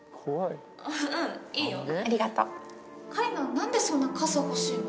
何でそんな傘欲しいの？